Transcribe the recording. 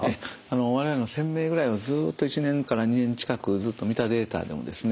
我々１，０００名ぐらいをずっと１年から２年近くずっと見たデータでもですね